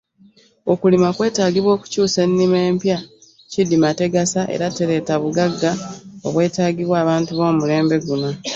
Okulima kwetaagibwa okukyusa ennima empya kidima tegasa era tereeta bugagga obwetaagibwa abantu b'omulembe guno.